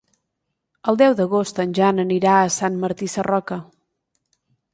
El deu d'agost en Jan anirà a Sant Martí Sarroca.